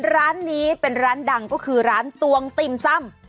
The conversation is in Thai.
ร้านนี้เป็นร้านดังก็คือร้านตวงติมซ่ำ